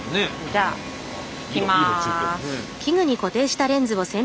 じゃあいきます。